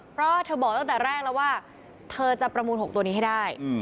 เพราะเธอบอกตั้งแต่แรกแล้วว่าเธอจะประมูล๖ตัวนี้ให้ได้